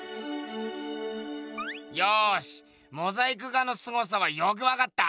よしモザイク画のすごさはよく分かった。